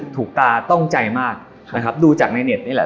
ตาต้องใจมากนะครับดูจากในเน็ตนี่แหละ